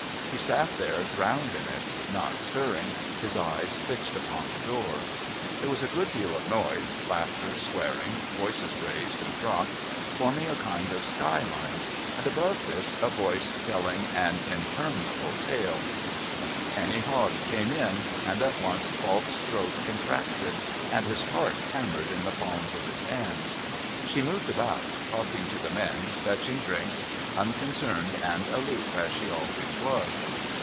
He sat there drowned in it, not stirring, his eyes fixed upon the door. There was a good deal of noise, laughter, swearing, voices raised and dropped, forming a kind of skyline, and above this a voice telling an interminable tale. Annie Hogg came in, and at once Falk's throat contracted and his heart hammered in the palms of his hands. She moved about, talking to the men, fetching drinks, unconcerned and aloof as she always was.